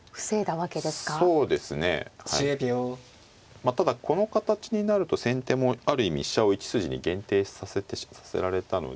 まあただこの形になると先手もある意味飛車を１筋に限定させられたので。